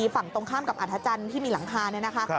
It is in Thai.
ฝั่งตรงข้ามกับอรรทจันทร์ที่มีหลังคานะคะ